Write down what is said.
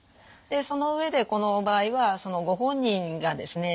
でその上でこの場合はそのご本人がですね